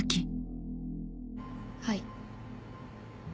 はい。